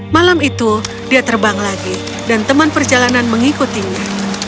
malam itu dia terbang lagi dan teman perjalanan mengikutinya